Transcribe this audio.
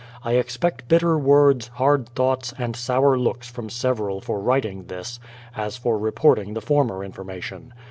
I expect bitter words, hard thoughts, and sour looks from several for writing this, as for reporting the former information.